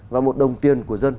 và một đồng tiền của dân